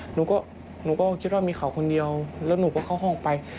หนูก็หนูก็คิดว่ามีเขาคนเดียวแล้วหนูก็เข้าห้องไป